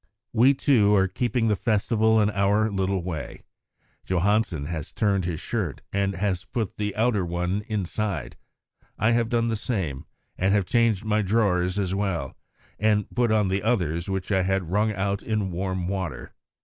We, too, are keeping the festival in our little way. Johansen has turned his shirt, and has put the outer one inside. I have done the same, and have changed my drawers as well, and put on the others which I had wrung out in warm water.